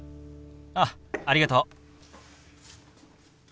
あっありがとう。